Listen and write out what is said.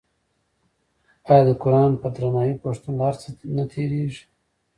آیا د قران په درناوي پښتون له هر څه نه تیریږي؟